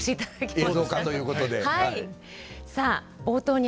はい。